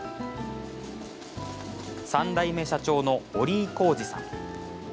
３代目社長の折井宏司さん。